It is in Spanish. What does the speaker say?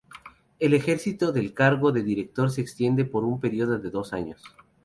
El ejercicio del cargo de director se extiende por un período de dos años.